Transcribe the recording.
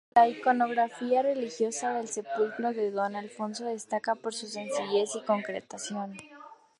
La iconografía religiosa del sepulcro de don Alfonso destaca por su sencillez y concreción.